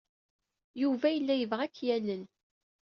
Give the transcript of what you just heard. Yuba yella yebɣa ad k-yalel.